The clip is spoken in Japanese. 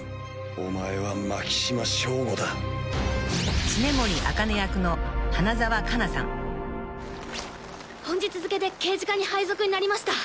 「お前は槙島聖護だ」「本日付で刑事課に配属になりました」